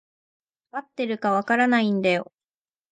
合ってるか分からないんだよ。